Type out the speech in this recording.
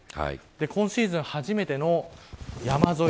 今シーズン初めての山沿い